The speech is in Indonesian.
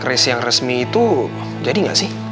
keres yang resmi itu jadi gak sih